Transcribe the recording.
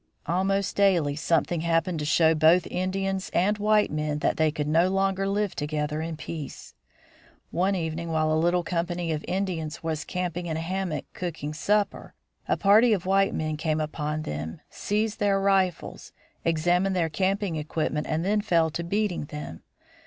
Almost daily something happened to show both Indians and white men that they could no longer live together in peace. One evening while a little company of Indians was camping in a hammock cooking supper, a party of white men came upon them, seized their rifles, examined their camping equipment and then fell to beating them.